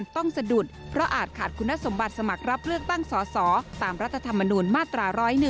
สะดุดเพราะอาจขาดคุณสมบัติสมัครรับเลือกตั้งสอสอตามรัฐธรรมนูญมาตรา๑๐๑